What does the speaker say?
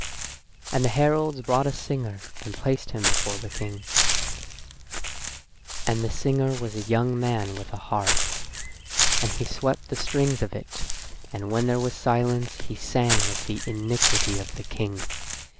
And the heralds brought a singer, and placed him before the King; and the singer was a young man with a harp. And he swept the strings of it, and when there was silence he sang of the iniquity of the King.